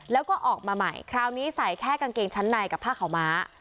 แล้วก็ออกมาใหม่คราวนี้ใส่แค่กางเกงชั้นในกับผ้าขาวม้า